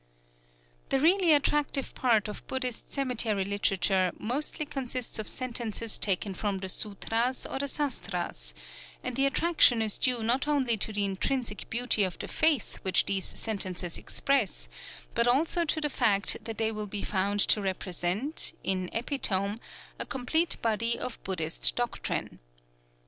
The really attractive part of Buddhist cemetery literature mostly consists of sentences taken from the sûtras or the sastras; and the attraction is due not only to the intrinsic beauty of the faith which these sentences express, but also to the fact that they will be found to represent, in epitome, a complete body of Buddhist doctrine.